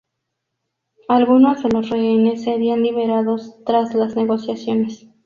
Algunos de los rehenes serían liberados tras las negociaciones.